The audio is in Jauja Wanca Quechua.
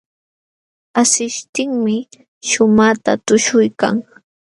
Asishtinmi shumaqta tuśhuykan.